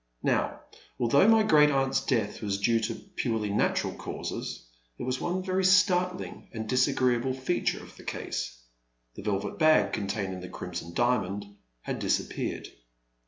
Now, although my great aunt's death was due to purely natural causes, there was one very start ling and disagreeable feature of the case. The velvet bag, containing the Crimson Diamond, had disappeared.